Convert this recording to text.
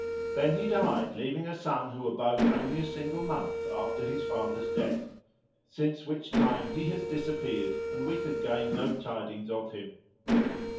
Then he died leaving a son who abode only a single month after his father's death; since which time he has disappeared and we could gain no tidings of him.